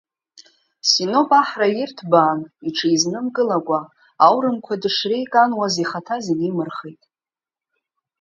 Синоп аҳра ирҭбаан, иҽизнымкылакәа аурымқәа дышреикануаз, ихаҭа зегьы имырхит.